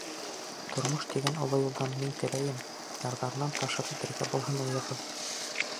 Тормош тигән оло юлдан Мин теләйем: ярҙарынан ташып, Бергә булһын уйығыҙ!